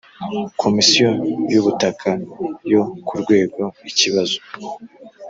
komisiyo y’ ubutaka yo ku rwego ikibazo